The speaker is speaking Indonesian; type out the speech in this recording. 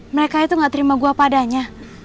mereka itu gak terima gue padanya